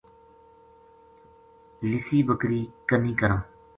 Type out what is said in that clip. لِسی بکری کنی کراں